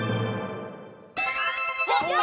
やった！